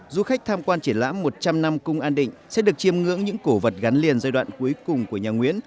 du khách tham quan triển lãm một trăm linh năm cung an định sẽ được chiêm ngưỡng những cổ vật gắn liền giai đoạn cuối cùng của nhà nguyễn